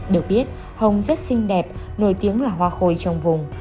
được biết hồng rất xinh đẹp nổi tiếng là hoa khôi trong vùng